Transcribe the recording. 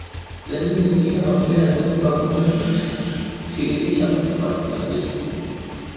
Dalili nyingine ya mapele ya ngozi kwa ngombe ni kutiririsha makamasi mazito